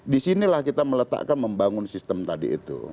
disinilah kita meletakkan membangun sistem tadi itu